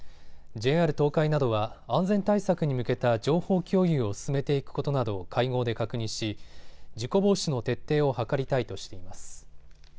ＪＲ東海などは安全対策に向けた情報共有を進めていくことなどを会合で確認し事故防止の徹底を図りたいとしています。